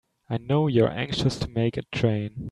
I know you're anxious to make a train.